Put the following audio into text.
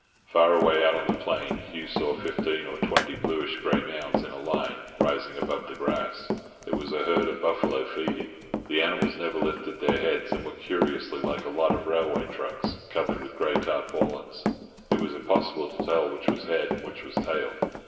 Far away out on the plain Hugh saw fifteen or twenty bluish grey mounds in a line rising above the grass; it was a herd of buffalo feeding. The animals never lifted their heads, and were curiously like a lot of railway trucks covered with grey tarpaulin. It was impossible to tell which was head and which was tail.